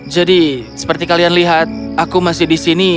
jadi seperti kalian lihat aku masih di sini